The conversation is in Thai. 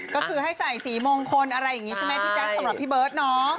ก็คือให้ใส่สีมงคลอะไรอย่างนี้ใช่ไหมพี่แจ๊คสำหรับพี่เบิร์ตน้อง